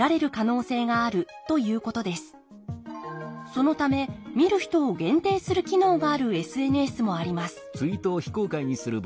そのため見る人を限定する機能があるＳＮＳもあります